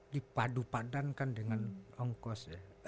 dipadu padankan dengan ongkos ya